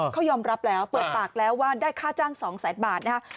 เขายอมรับแล้วเปิดปากแล้วว่าได้ค่าจ้าง๒แสนบาทนะฮะ